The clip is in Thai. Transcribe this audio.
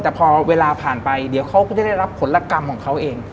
แต่พอเวลาผ่านไปเดี๋ยวเขาก็จะได้รับผลกรรมของเขาเอง